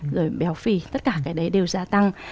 rồi béo phì tất cả cái đấy đều gia tăng